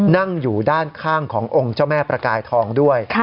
นั่งอยู่ด้านข้างขององค์เจ้าแม่ประกายทองด้วย